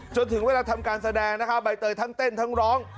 จนถึงเวลาทำการแสดงนะคะใบเตยทั้งเต้นทั้งร้อง